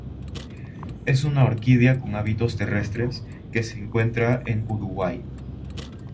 Es una orquídea con hábitos terrestres que se encuentra en Uruguay.